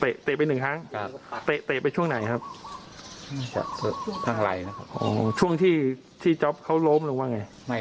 เตะไปอีกหนึ่งครั้งตั้งหลายครับช่วงที่จ๊อปลงฉนะเออว่าไง